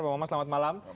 bang maman selamat malam